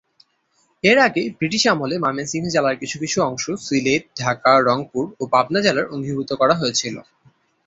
এর আগে ব্রিটিশ আমলে ময়মনসিংহ জেলার কিছু কিছু অংশ সিলেট, ঢাকা, রংপুর ও পাবনা জেলার অঙ্গীভূত করা হয়েছিল।